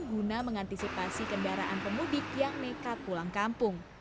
guna mengantisipasi kendaraan pemudik yang nekat pulang kampung